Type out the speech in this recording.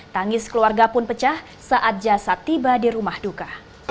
tangis keluarga pun pecah saat jasad tiba di rumah duka